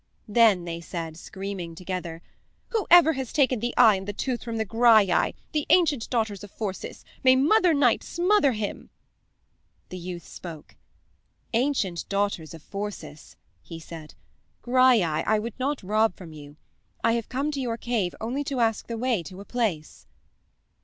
Then they said, screaming together: "Who ever has taken the eye and the tooth from the Graiai, the ancient daughters of Phorcys, may Mother Night smother him." The youth spoke. "Ancient daughters of Phorcys," he said, "Graiai, I would not rob from you. I have come to your cave only to ask the way to a place."